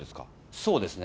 そうですね。